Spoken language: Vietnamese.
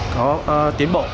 có tiến bộ